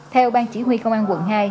theo bang chỉ huy công an quận hai